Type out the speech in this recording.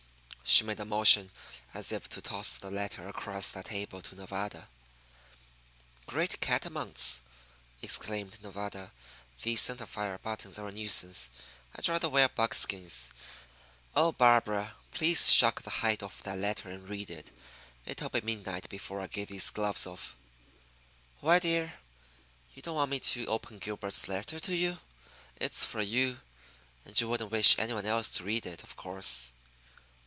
She made a motion as if to toss the letter across the table to Nevada. "Great catamounts!" exclaimed Nevada. "These centre fire buttons are a nuisance. I'd rather wear buckskins. Oh, Barbara, please shuck the hide off that letter and read it. It'll be midnight before I get these gloves off!" "Why, dear, you don't want me to open Gilbert's letter to you? It's for you, and you wouldn't wish any one else to read it, of course!"